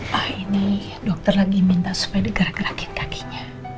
saya ini dokter lagi minta supaya digerakin kakinya